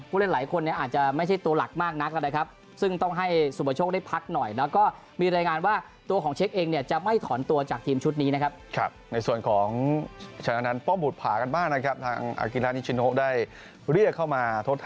ผู้เล่นหลายคนเนี่ยอาจจะไม่ใช่ตัวหลักมากนักแล้วนะครับ